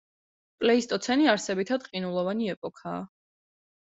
პლეისტოცენი არსებითად ყინულოვანი ეპოქაა.